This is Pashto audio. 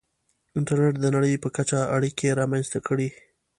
• انټرنېټ د نړۍ په کچه اړیکې رامنځته کړې.